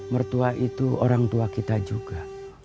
mertua itu orang tua kita juga